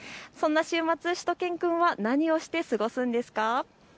そんな週末、しゅと犬くんは何をして過ごすんですか。